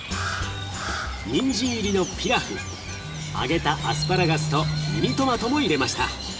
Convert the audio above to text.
にんじん入りのピラフ揚げたアスパラガスとミニトマトも入れました。